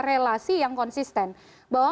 relasi yang konsisten bahwa